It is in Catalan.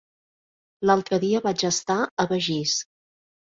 L'altre dia vaig estar a Begís.